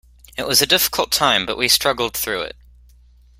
It was a difficult time, but we struggled through it.